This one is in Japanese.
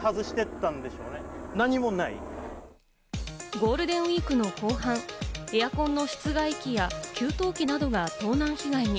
ゴールデンウイークの後半、エアコンの室外機や給湯器などが盗難被害に。